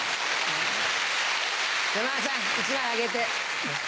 山田さん１枚あげて。